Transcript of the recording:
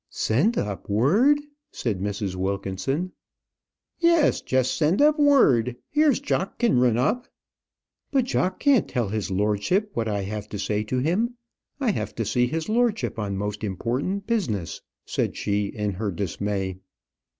"Send up word!" said Mrs. Wilkinson. "Yees. Just send up word. Here's Jock can rin up." "But Jock can't tell his lordship what I have to say to him. I have to see his lordship on most important business," said she, in her dismay.